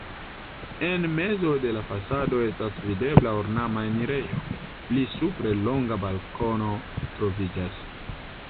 En mezo de la fasado estas videbla ornama enirejo, pli supre longa balkono troviĝas.